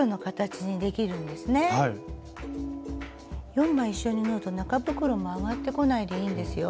４枚一緒に縫うと中袋もあがってこないでいいんですよ。